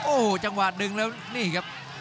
โอ้โหจังหวะดึงแล้วนี่ครับ